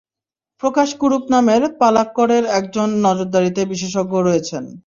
প্রকাশ কুরুপ নামে পালাক্কড়ের একজন নজরদারি বিশেষজ্ঞ রয়েছেন।